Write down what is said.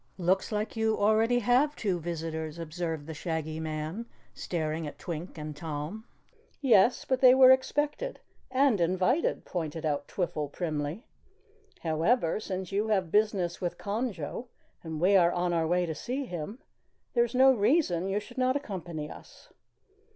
"Looks like you already have two visitors," observed the Shaggy Man, staring at Twink and Tom. "Yes, but they were expected and invited," pointed out Twiffle primly. "However, since you have business with Conjo, and we are on our way to see him, there is no reason you should not accompany us."